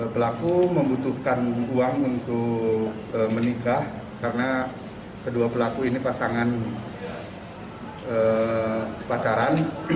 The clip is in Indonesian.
pelaku membutuhkan uang untuk menikah karena kedua pelaku ini pasangan pacaran